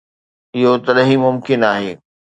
اهو تڏهن ئي ممڪن آهي.